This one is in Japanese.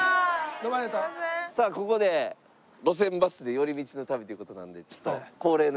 さあここで『路線バスで寄り道の旅』という事なんでちょっと。